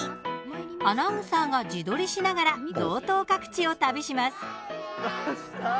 アナウンサーが自撮りしながら道東各地を旅します。